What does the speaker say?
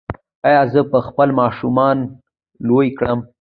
ایا زه به خپل ماشومان لوی کړم؟